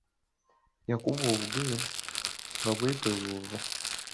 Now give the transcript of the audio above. Yakuba obugere nga bwetoolovu.